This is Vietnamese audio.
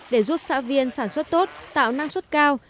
để giúp xã viên sản xuất tốt tạo năng suất cao